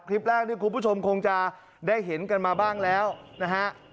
คลิปแรกที่คุณผู้ชมคงจะได้เห็นกันมาบ้างแล้วนะฮะ